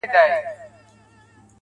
قاضي صاحبه ملامت نه یم، بچي وږي وه,